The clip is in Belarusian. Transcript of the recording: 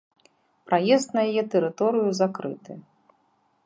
Праезд на яе тэрыторыю закрыты.